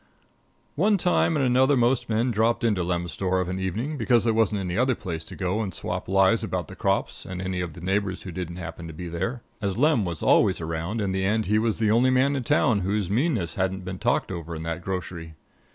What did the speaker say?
One time and another most men dropped into Lem's store of an evening, because there wasn't any other place to go and swap lies about the crops and any of the neighbors who didn't happen to be there. As Lem was always around, in the end he was the only man in town whose meanness hadn't been talked over in that grocery.